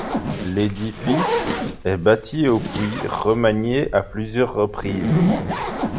L'édifice est bâti au puis remanié à plusieurs reprises.